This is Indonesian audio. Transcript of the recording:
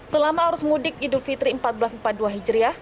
selama harus mudik hidup fitri empat belas empat puluh dua hijriah